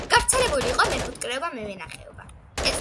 გავრცელებული იყო მეფუტკრეობა, მევენახეობა.